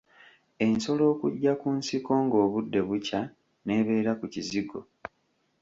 Ensolo okujja ku nsiko ng’obudde bukya n’ebeera ku kizigo.